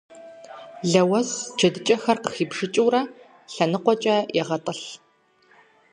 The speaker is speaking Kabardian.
Лэуэс джэдыкӀэхэр къыхибжыкӀыурэ лъэныкъуэкӀэ егъэтӀылъ.